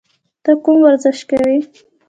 ته کوم ورزش کوې؟